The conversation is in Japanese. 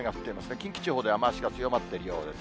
近畿地方で雨足が強まっているようです。